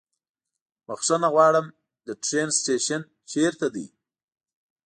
بښنه غواړم، د ټرين سټيشن چيرته ده؟